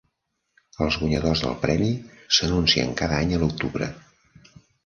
Els guanyadors del premi s'anuncien cada any a l'octubre.